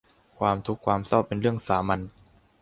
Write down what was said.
ความทุกข์ความเศร้าเป็นเรื่องสามัญ